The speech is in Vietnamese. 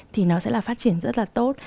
thì nó sẽ là phát triển rất là tốt